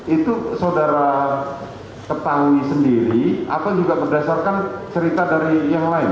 itu saudara ketahui sendiri atau juga berdasarkan cerita dari yang lain